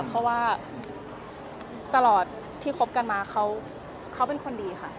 เพราะว่าตลอดที่คบกันมาเขาเป็นคนดีค่ะ